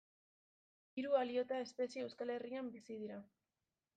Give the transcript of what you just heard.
Hiru aliota espezie Euskal Herrian bizi dira.